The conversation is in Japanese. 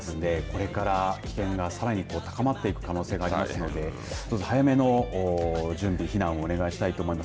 これから危険がさらに高まっていく可能性があるそうですのでぜひ早めの準備避難をお願いしたいと思います。